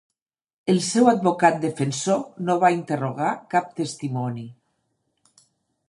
El seu advocat defensor no va interrogar cap testimoni.